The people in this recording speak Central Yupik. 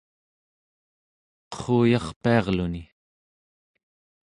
qerruyarpiarluni